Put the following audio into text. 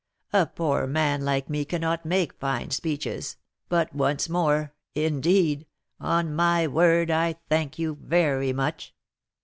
A poor man like me cannot make fine speeches, but once more, indeed, on my word, I thank you very much.